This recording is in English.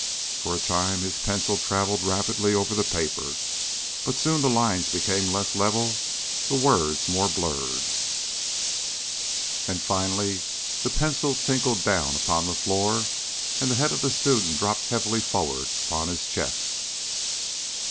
For a time his pencil travelled rapidly over the paper, but soon the lines became less level, the words more blurred, and finally the pencil tinkled down upon the floor, and the head of the student dropped heavily forward upon his chest.